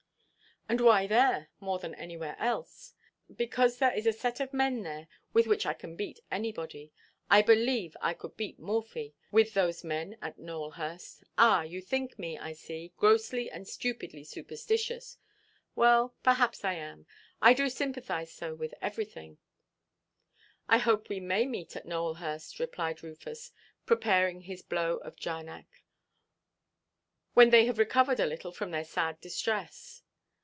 "And why there, more than anywhere else?" "Because there is a set of men there, with which I can beat anybody. I believe I could beat Morphy, with those men at Nowelhurst. Ah! you think me, I see, grossly and stupidly superstitious. Well, perhaps I am. I do sympathise so with everything." "I hope we may meet at Nowelhurst," replied Rufus, preparing his blow of Jarnac, "when they have recovered a little from their sad distress."